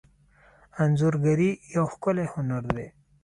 انځورګري یو ښکلی هنر دی.